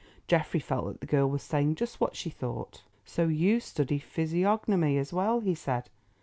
Geoffrey felt that the girl was saying just what she thought. "So you study physiognomy as well," he said.